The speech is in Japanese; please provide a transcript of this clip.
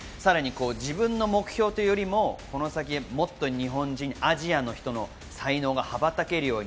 自分の目標というよりもこの先もっと日本人、アジアの人の才能が羽ばたけるように。